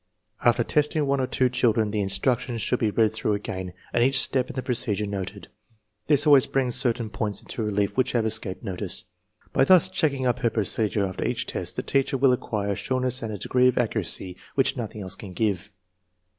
After testing one or two children the instructions should be read through again, and each step in the procedure noted. This always brings certain points into relief which have escaped notice. By thus checking up her procedure after each test the teacher will acquire a sureness and a degree of accuracy which nothing else can give.